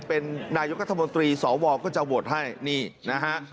เป็นนายกรัฐมนตรีสวก็จะโหวตให้นี่นะฮะ